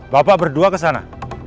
bapak berdua kesana